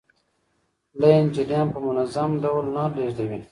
لین جریان په منظم ډول نه لیږدوي.